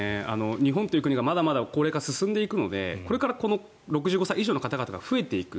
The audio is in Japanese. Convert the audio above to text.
日本という国がまだまだ高齢化が進んでいくのでこれから、この６５歳以上の方々が増えていく。